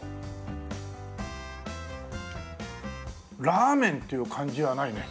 ラーメンっていう感じはないね。